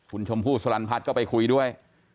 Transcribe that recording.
คุณชมพู่สลันพัฒน์ก็ไปคุยด้วย